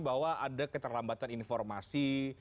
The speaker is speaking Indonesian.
bahwa ada keterlambatan informasi